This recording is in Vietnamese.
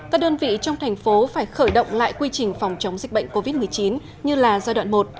các đơn vị trong thành phố phải khởi động lại quy trình phòng chống dịch bệnh covid một mươi chín như là giai đoạn một